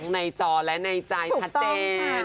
ในจอและในใจชัดเจน